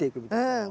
うん。